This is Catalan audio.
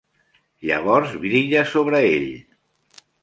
Llavors brilla sobre ell.